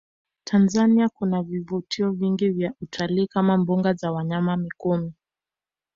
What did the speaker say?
Tanzania kuna vivutio vingi vya utalii kama mbuga za wanyama mikumi